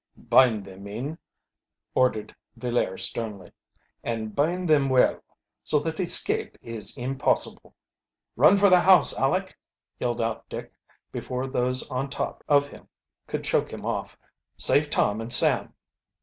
"Bind them, men," ordered Villaire sternly. "And bind them well, so that escape is impossible." "Run for the house, Aleck!" yelled, out Dick, before those on top of him could choke him off. "Save Tom and Sam!